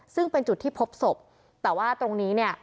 ซึ่งเป็นจุดที่พบศพแต่ว่าตรงนี้เนี่ย